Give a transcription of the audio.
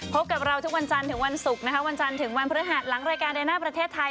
พบกับเราทุกวันจันทร์ถึงวันศุกร์นะคะวันจันทร์ถึงวันพฤหัสหลังรายการเดินหน้าประเทศไทย